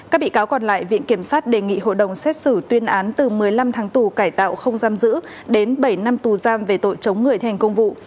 các bị cáo còn lại viện kiểm sát đề nghị hội đồng xét xử tuyên án từ một mươi năm tháng tù cải tạo không giam giữ đến bảy năm tù giam về tội chống người thi hành công vụ